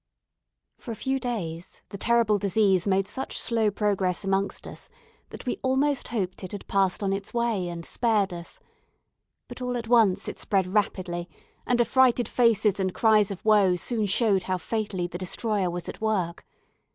For a few days the terrible disease made such slow progress amongst us that we almost hoped it had passed on its way and spared us; but all at once it spread rapidly, and affrighted faces and cries of woe soon showed how fatally the destroyer was at work.